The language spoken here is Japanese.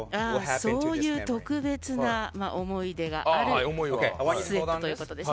そういう特別な思い出があるスウェットということですね。